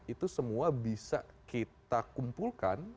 itu semua bisa kita kumpulkan